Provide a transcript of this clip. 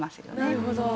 なるほど。